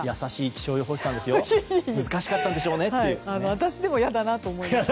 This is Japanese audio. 私でも嫌だなと思いました。